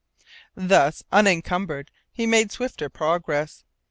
Thus unencumbered he made swifter progress.